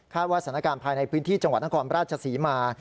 ว่าสถานการณ์ภายในพื้นที่จังหวัดนครราชศรีมา